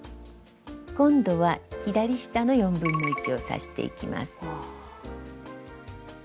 今度は左下の1/4を刺していきます。